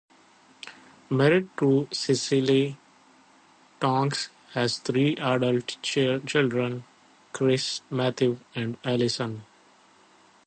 Married to Cecile, Tonks has three adult children, Chris, Matthew, and Alison.